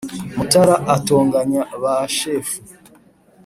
mutara atonganya ba shefu